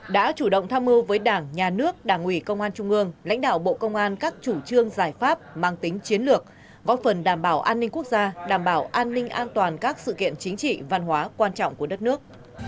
đã chủ động tham mưu với đảng nhà nước đảng ủy công an trung ương lãnh đạo bộ công an các chủ trương giải pháp mang tính chiến lược góp phần đảm bảo an ninh quốc gia đảm bảo an ninh an toàn các sự kiện chính trị văn hóa quan trọng của đất nước